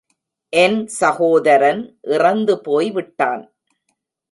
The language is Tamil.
என் சகோதரன் இறந்து போய்விட்டான்.